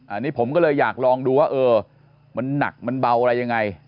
อันนี้ผมก็เลยอยากลองดูว่าเออมันหนักมันเบาอะไรยังไง